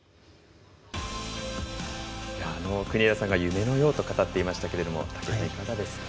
国枝さんが夢のようと語っていましたけれども武井さん、いかがですか？